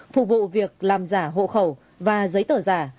phục vụ việc làm giả hộ khẩu và giấy tờ giả